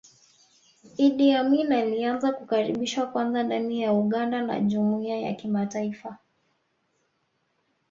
Idi Amin alianza kukaribishwa kwanza ndani ya Uganda na jumuiya ya kimataifa